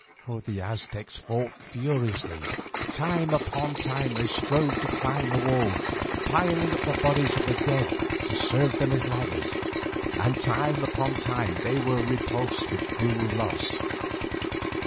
The Aztecs fought furiously. Time upon time they strove to climb the wall, piling up the bodies of the dead to serve them as ladders, and time upon time they were repulsed with cruel loss.